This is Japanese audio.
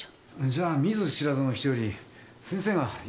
じゃあ見ず知らずの人より先生がいいですね。